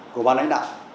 của bà lãnh đạo